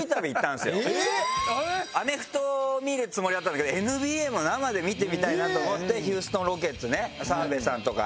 アメフトを見るつもりだったんだけどＮＢＡも生で見てみたいなと思ってヒューストン・ロケッツね。